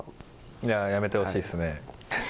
いや、やめてほしいですね。